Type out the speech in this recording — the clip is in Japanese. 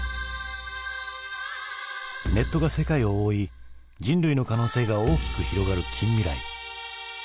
ネットが世界を覆い人類の可能性が大きく広がる近未来。